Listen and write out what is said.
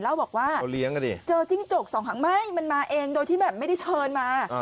แล้วบอกว่าเจอจิ้งจกสองหางไหม้มันมาเองโดยที่แบบไม่ได้เชิญมา